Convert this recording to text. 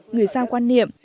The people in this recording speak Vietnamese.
người sang quan niệm